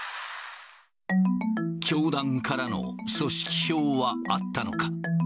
教団からの組織票はあったのか。